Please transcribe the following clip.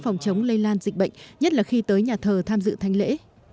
phòng chống lây lan dịch bệnh nhất là khi tới nhà thờ tham dự thanh lễ